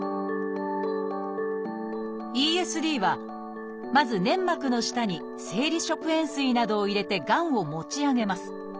「ＥＳＤ」はまず粘膜の下に生理食塩水などを入れてがんを持ち上げます。